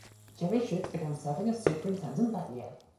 Jerry Schutz began serving as superintendent that year.